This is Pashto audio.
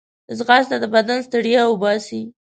ځغاسته د بدن ستړیا وباسي